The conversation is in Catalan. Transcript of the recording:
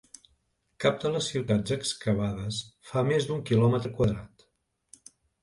Cap de les ciutats excavades fa més d'un kilòmetre quadrat.